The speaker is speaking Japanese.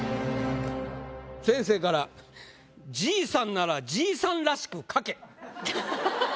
先生から「ジイさんならジイさんらしく書け」。